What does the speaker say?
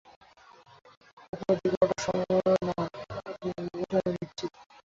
উপরের দিকে উঠা সম্ভব না, এটা আমি নিশ্চিত।